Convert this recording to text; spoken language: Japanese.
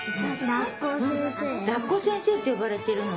らっこ先生ってよばれてるの。